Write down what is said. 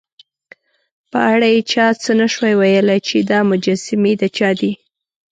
په اړه یې چا څه نه شوای ویلای، چې دا مجسمې د چا دي.